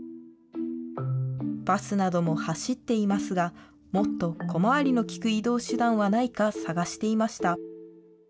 バスなども走っていますが、もっと小回りの利く移動手段はないか、探していました。